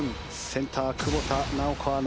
センター久保田直子アナ。